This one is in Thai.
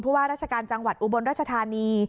ว่าราชการจังหวัดอุบลราชธานี